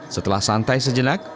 setelah santai sejenak